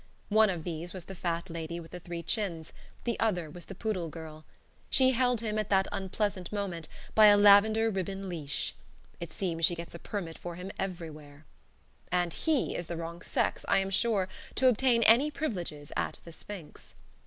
One of these was the fat lady with the three chins; the other was the poodle girl. She held him, at that unpleasant moment, by a lavender ribbon leash. It seems she gets a permit for him everywhere. And he is the wrong sex, I am sure, to obtain any privileges at "The Sphinx."